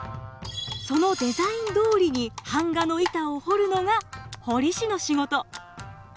そのデザインどおりに版画の板を彫るのが彫師の仕事。